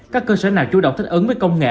các cơ sở nào chủ động thích ứng với công nghệ